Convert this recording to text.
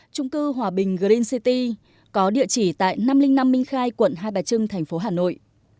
trung cư hòa bình green city có địa chỉ tại năm trăm linh năm minh khai quận hai bà trưng thành phố hà nội